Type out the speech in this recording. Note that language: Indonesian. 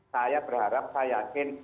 saya berharap saya yakin